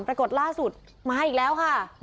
ปรากฏล่าสุดมาอีกแล้วค่ะ